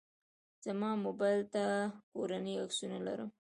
زما موبایل ته کورنۍ عکسونه لرم.